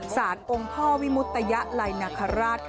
ศาสตร์องค์พ่อวิมุตไตยะลายนคราช